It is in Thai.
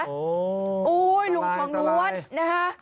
โอ้โหตลายตลายโอ้โหลุงควังนวดนะฮะ